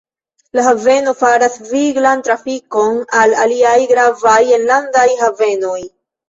La haveno faras viglan trafikon al aliaj gravaj enlandaj havenoj.